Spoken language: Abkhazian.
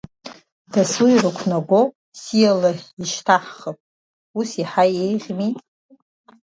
Дасу ирықәнагоу сиала ишьҭаҳхып, ус иаҳа иеиӷьми?